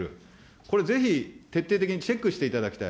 これ、ぜひ徹底的にチェックしていただきたい。